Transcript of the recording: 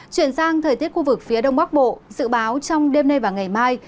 chuyển sang thời tiết khu vực phía đông bắc bộ dự báo trong đêm nay và ngày mai